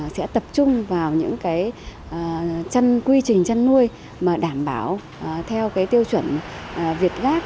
sẽ tập trung vào những cái chăn quy trình chăn nuôi mà đảm bảo theo cái tiêu chuẩn việt gáp